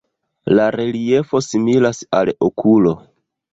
La reliefo similas al okulo.